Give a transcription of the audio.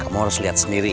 kamu harus lihat sendiri ya